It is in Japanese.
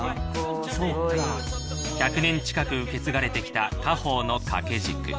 １００年近く受け継がれてきた家宝の掛け軸。